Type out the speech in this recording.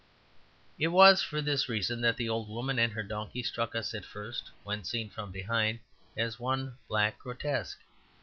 It was for this reason that the old woman and her donkey struck us first when seen from behind as one black grotesque.